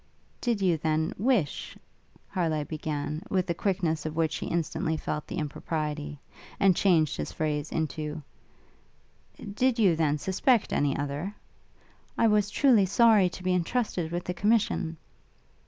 'Did you, then, wish ' Harleigh began, with a quickness of which he instantly felt the impropriety, and changed his phrase into, 'Did you then, suspect any other?' 'I was truly sorry to be entrusted with the commission.'